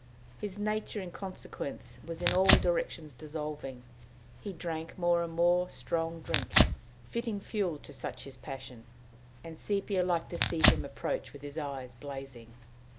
His nature, in consequence, was in all directions dissolving. He drank more and more strong drink, fitting fuel to such his passion, and Sepia liked to see him approach with his eyes blazing.